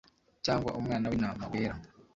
cyangwa umwana w'intama wera